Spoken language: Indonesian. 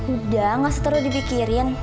udah gak seteru dipikirin